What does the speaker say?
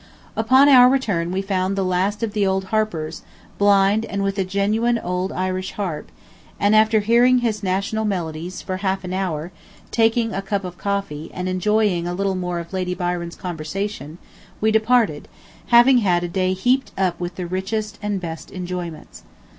Upon our return we found the last of the old harpers, blind, and with a genuine old Irish harp, and after hearing his national melodies for half an hour, taking a cup of coffee, and enjoying a little more of Lady Byron's conversation, we departed, having had a day heaped up with the richest and best enjoyments.